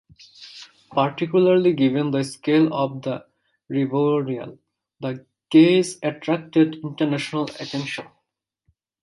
Particularly given the scale of the reburial, the case attracted international attention.